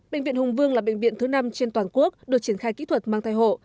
bệnh viện hùng vương là bệnh viện thứ năm trên toàn quốc được triển khai kỹ thuật mang thai hộ